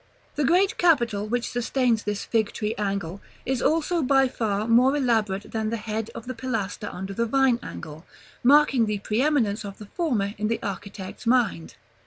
The great capital, which sustains this Fig tree angle, is also by far more elaborate than the head of the pilaster under the Vine angle, marking the preëminence of the former in the architect's mind.